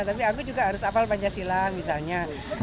tapi aku juga harus apal panjang silang misalnya